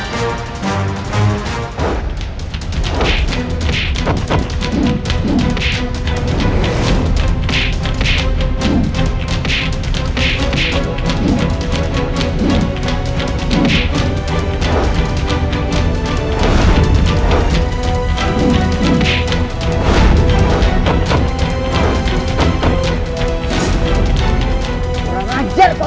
tidak rajin kau ini loh